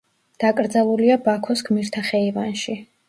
დაკრძალულია ბაქოს გმირთა ხეივანში.